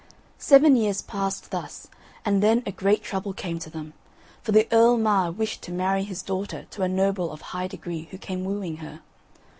Seven years passed thus and then a great trouble came to them. For the Earl Mar wished to marry his daughter to a noble of high degree who came wooing her.